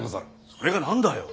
それが何だよ。